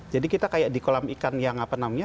jadi kita kayak di kolam ikan yang apa namanya